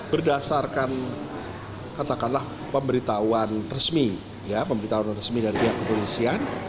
berdasarkan katakanlah pemberitahuan resmi dari pihak kepolisian